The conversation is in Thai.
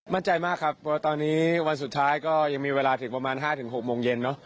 มั่นใจมากครับเพราะตอนนี้วันสุดท้ายก็ยังมีเวลาถึงประมาณ๕๖โมงเย็นเนอะ